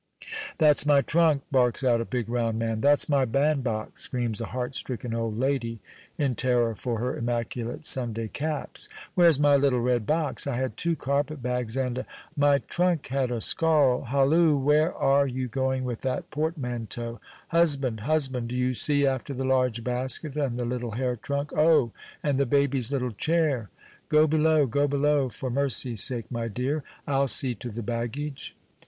"That's my trunk!" barks out a big, round man. "That's my bandbox!" screams a heart stricken old lady, in terror for her immaculate Sunday caps. "Where's my little red box? I had two carpet bags and a My trunk had a scarle Halloo! where are you going with that portmanteau? Husband! husband! do see after the large basket and the little hair trunk O, and the baby's little chair!" "Go below go below, for mercy's sake, my dear; I'll see to the baggage."